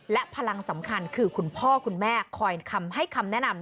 และพลังสำคัญคือคุณพ่อคุณแม่คอยคำให้คำแนะนำ